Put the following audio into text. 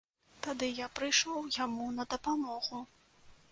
Тады я прыйшоў яму на дапамагу.